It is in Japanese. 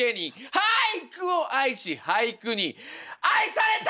俳句を愛し俳句に愛された男！